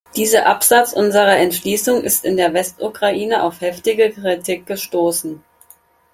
Dieser Absatz unserer Entschließung ist in der Westukraine auf heftige Kritik gestoßen.